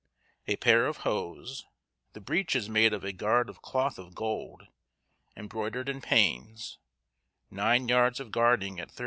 A pair of hose, the breeches made of a gard of cloth of gold, embroidered in panes; nine yards of garding, at 13_s.